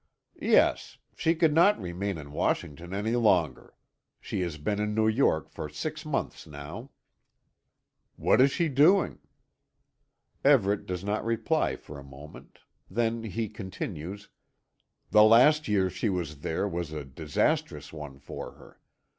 "Yes. She could not remain in Washington any longer. She has been in New York for six months now." "What is she doing?" Everet does not reply for a moment; then he continues: "The last year she was there was a disastrous one for her.